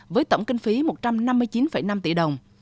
với tổng kinh phí một trăm năm mươi chín năm tỷ đồng